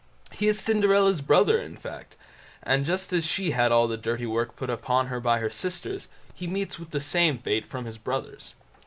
He is Cinderella's brother in fact; and just as she had all the dirty work put upon her by her sisters, he meets with the same fate from his brothers.